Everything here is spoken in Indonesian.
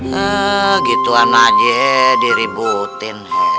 hei gituan aja diributin